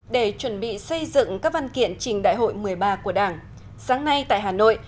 để chuẩn bị xây dựng các văn kiện trình đại hội một mươi ba của đảng sáng nay tại hà nội